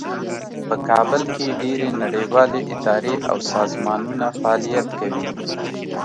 په کابل کې ډیرې نړیوالې ادارې او سازمانونه فعالیت کوي